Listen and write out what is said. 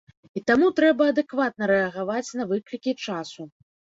І таму трэба адэкватна рэагаваць на выклікі часу.